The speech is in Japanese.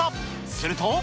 すると。